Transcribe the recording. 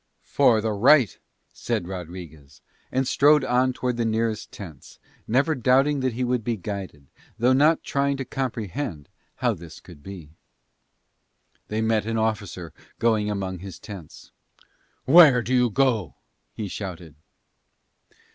"For the right," said Rodriguez and strode on towards the nearest tents, never doubting that he would be guided, though not trying to comprehend how this could be. They met with an officer going among his tents. "Where do you go?" he shouted.